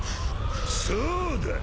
そうだ。